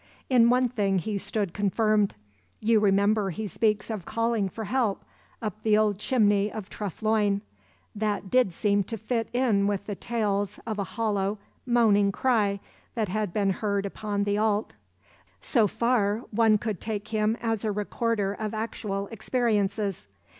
In one thing he stood confirmed; you remember he speaks of calling for help up the old chimney of Treff Loyne; that did seem to fit in with the tales of a hollow, moaning cry that had been heard upon the Allt: so far one could take him as a recorder of actual experiences.